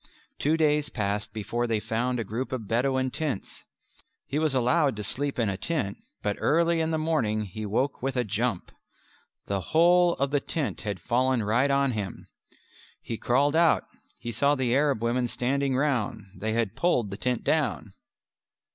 Two days passed before they found a group of Bedouin tents. He was allowed to sleep in a tent: but early in the morning he woke with a jump. The whole of the tent had fallen right on him; he crawled out. He saw the Arab women standing round; they had pulled the tent down.